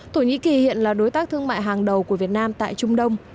thổ nhĩ kỳ hiện là đối tác thương mại hàng đầu của việt nam tại trung đông